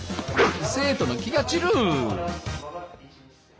生徒の気が散る！